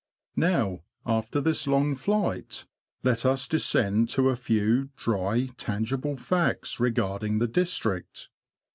Now, after this long flight, let us descend to a few dry, tangible facts regarding the district.